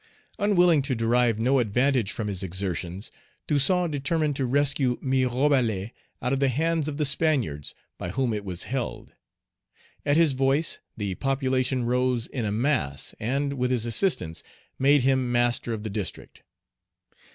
Unwilling to derive no advantage from his exertions, Toussaint determined to rescue Mirebalais out of the hands of the Spaniards, by whom it was held. At his voice, the population rose in a mass, and, with his assistance, made him master of the district.